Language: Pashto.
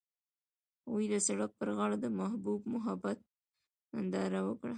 هغوی د سړک پر غاړه د محبوب محبت ننداره وکړه.